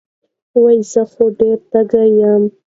وې زۀ خو ډېر تږے يم